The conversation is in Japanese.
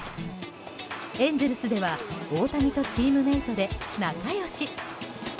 エンゼルスでは大谷とチームメートで仲良し。